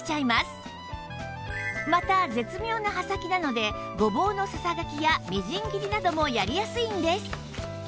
また絶妙な刃先なのでごぼうのささがきやみじん切りなどもやりやすいんです